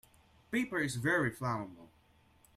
Paper is very flammable.